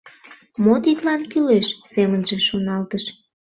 «Мо тидлан кӱлеш?» семынже шоналтыш.